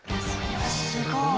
すごい。